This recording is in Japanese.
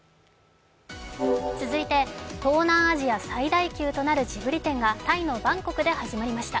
続いて東南アジア最大級となるジブリ展が、タイのバンコクで始まりました。